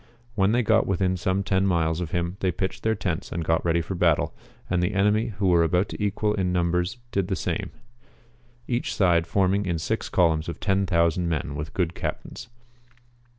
When they got within some 10 miles of him they j)itchcd their tents and got ready for battle, and the enemy who were about equal in numbers did the same; each side forming in six columns of 10,000 men with good cajitains.